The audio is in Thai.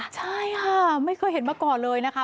ใช่ค่ะไม่เคยเห็นมาก่อนเลยนะคะ